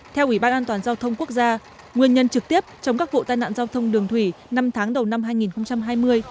theo ủy ban an toàn giao thông quốc gia nguyên nhân trực tiếp chống các vụ tai nạn giao thông đường thủy năm tháng đầu năm hai nghìn hai mươi